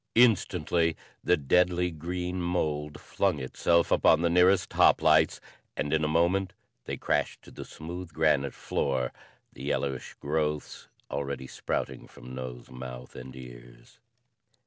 Instantly, the deadly green mold flung itself upon the nearest hoplites and in a moment they crashed to the smooth granite floor, the yellowish growths already sprouting from nose, mouth and ears.